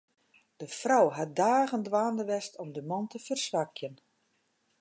De frou hat dagen dwaande west om de man te ferswakjen.